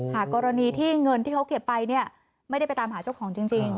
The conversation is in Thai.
กรณีที่เงินที่เขาเก็บไปเนี่ยไม่ได้ไปตามหาเจ้าของจริง